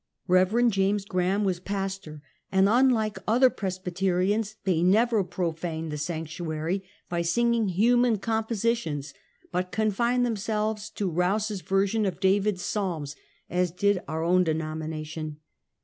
Rev. James Graham was pas tor, and unlike other Presbyterians, they never " pro faned the sanctuary" by singing "human composi tions," but confined themselves to Rouse's version of David's Psalms, as did our own denomination.